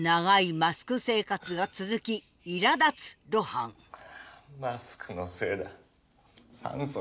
マスクのせいだッ！